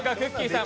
さん。